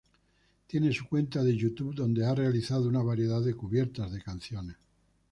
Tiene su cuenta de YouTube, donde ha realizado una variedad de cubiertas de canciones.